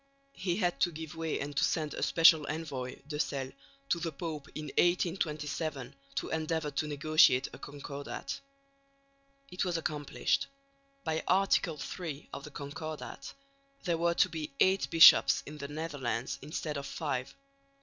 He had to give way and to send a special envoy De Celles to the Pope in 1827 to endeavour to negotiate a Concordat. It was accomplished. By Article III of the Concordat, there were to be eight bishops in the Netherlands instead of five.